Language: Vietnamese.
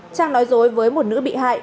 trang nói dối với một nữ bị hại